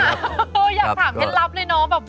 อยากถามทันลับเลยเนอะ